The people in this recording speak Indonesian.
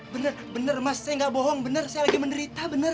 bener bener mas saya gak bohong bener saya lagi menderita bener